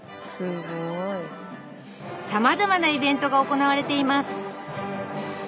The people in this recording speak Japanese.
さまざまなイベントが行われています。